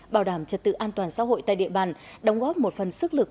bảo đảm trật tự an toàn xã hội tại địa bàn đóng góp một phần sức lực